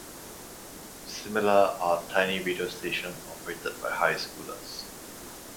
Similar are the tiny radio stations operated by high schools.